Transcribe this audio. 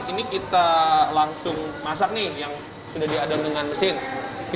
ini kita langsung masak nih yang sudah diadom dengan mesin